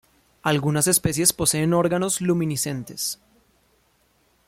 Algunas especies poseen órganos luminiscentes.